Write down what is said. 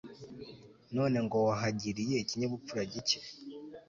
none ngo wahagiriye ikinyabupfura gike